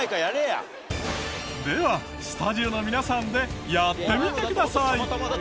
ではスタジオの皆さんでやってみてください。